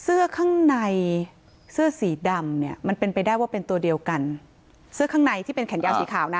เสื้อข้างในเสื้อสีดำเนี่ยมันเป็นไปได้ว่าเป็นตัวเดียวกันเสื้อข้างในที่เป็นแขนยาวสีขาวนะ